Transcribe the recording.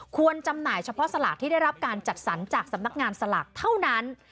จำหน่ายเฉพาะสลากที่ได้รับการจัดสรรจากสำนักงานสลากเท่านั้น